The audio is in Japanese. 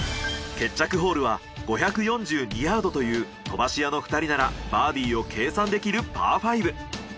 決着ホールは５４２ヤードという飛ばし屋の２人ならバーディを計算できるパー５。